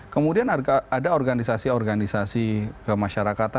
kemudian ada organisasi organisasi kemasyarakatan